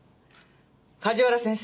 梶原先生